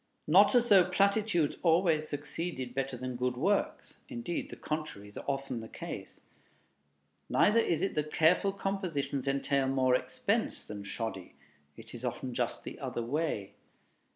Not as though platitudes always succeeded better than good works; indeed, the contrary is often the case. Neither is it that careful compositions entail more expense than "shoddy." It is often just the other way.